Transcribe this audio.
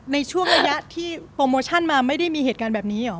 ในช่วงระยะที่โปรโมชั่นมาไม่ได้มีเหตุการณ์แบบนี้เหรอ